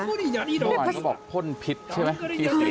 เมื่อวานเขาบอกพ่นพิษใช่ไหม